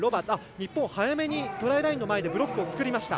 日本、早めにトライラインの前にブロックを作りました。